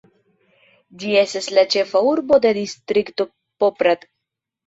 Ĝi estas la ĉefa urbo de distrikto Poprad.